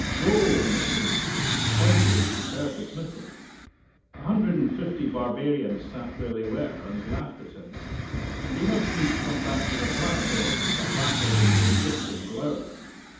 "Go!" he shrieked, and pointed in superb dismissal. A hundred and fifty barbarians sat where they were, and laughed at him; and he must needs come back to the platform, with a baffled and vindictive glower.